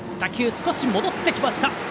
少し戻ってきました。